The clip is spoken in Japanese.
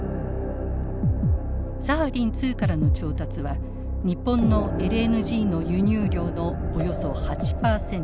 サハリン２からの調達は日本のＬＮＧの輸入量のおよそ８％。